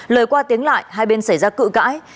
lời qua tiếng lại hai bên xảy ra cự cãi